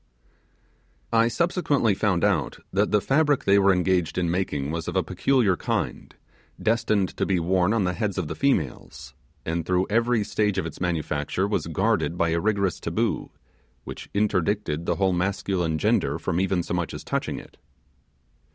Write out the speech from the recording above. I subsequently found out that the fabric they were engaged in making was of a peculiar kind, destined to be worn on the heads of the females, and through every stage of its manufacture was guarded by a rigorous taboo, which interdicted the whole masculine gender from even so much as touching it.